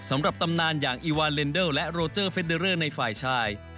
สำหรับตำนานอย่างอีวาเลนเดอร์และโรเจอร์เฟอร์เรอร์ในฝ่ายชาย